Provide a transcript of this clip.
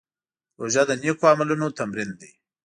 روژه د نېکو عملونو تمرین دی.